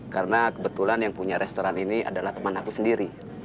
karena kebetulan yang punya restoran ini adalah teman aku sendiri